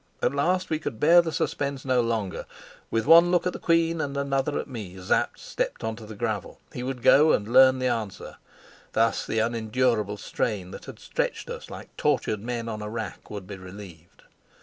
At last we could bear the suspense no longer. With one look at the queen and another at me, Sapt stepped on to the gravel. He would go and learn the answer; thus the unendurable strain that had stretched us like tortured men on a rack would be relieved.